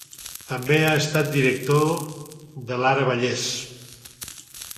També ha estat director de l'Ara Vallès.